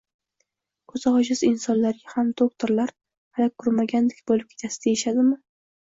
Ko'zi ojiz insonlarga ham doktorlar "Hali ko'rmagandek bo'lib ketasiz!" deyishadimi?